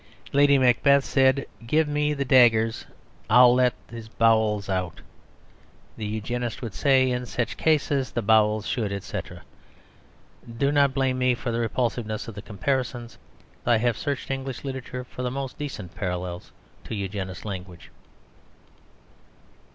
Lady Macbeth said, "Give me the daggers; I'll let his bowels out." The Eugenist would say, "In such cases the bowels should, etc." Do not blame me for the repulsiveness of the comparisons. I have searched English literature for the most decent parallels to Eugenist language.